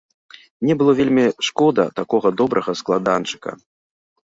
Мне было вельмі шкода такога добрага складанчыка.